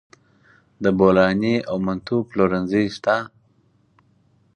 د بولاني او منتو پلورنځي شته